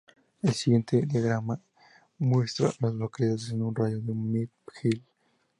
El siguiente diagrama muestra a las localidades en un radio de de Mint Hill.